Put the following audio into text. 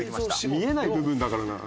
見えない部分だからな。